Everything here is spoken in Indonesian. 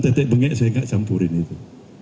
tetek bengek saya tidak campurkan itu